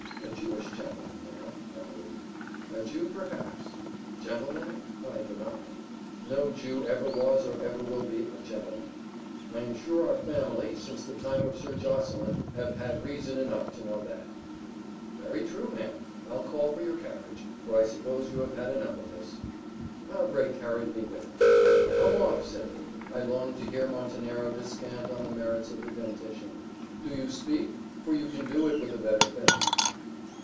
"A Jewish gentleman, ma'am, I believe." "A Jew, perhaps gentleman, I deny; no Jew ever was or ever will be a gentleman. I am sure our family, since the time of Sir Josseline, have had reason enough to know that." "Very true, ma'am I'll call for your carriage, for I suppose you have had enough of this." Mowbray carried me with him. "Come off," said he; "I long to hear Montenero descant on the merits of the dentition. Do you speak, for you can do it with a better face."